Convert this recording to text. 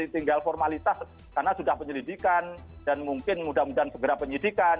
tinggal formalitas karena sudah penyelidikan dan mungkin mudah mudahan segera penyidikan